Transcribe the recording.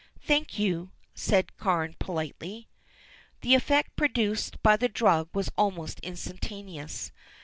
"Thank you," said Carne politely. The effect produced by the drug was almost instantaneous.